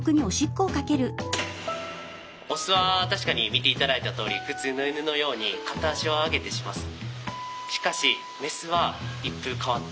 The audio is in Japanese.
オスは確かに見ていただいたとおり普通の犬のように片足をあげてします。